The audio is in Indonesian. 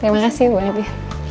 terima kasih bu andin